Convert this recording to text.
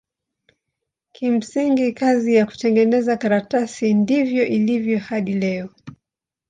Kimsingi kazi ya kutengeneza karatasi ndivyo ilivyo hadi leo.